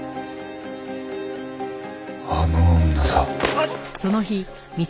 あの女だ。